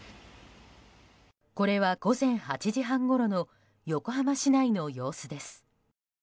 これは午前８時半ごろの横浜市内の様子です。